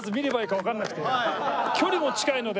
距離も近いので。